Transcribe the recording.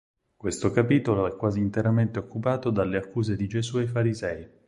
Questo capitolo è quasi interamente occupato dalle accuse di Gesù ai farisei.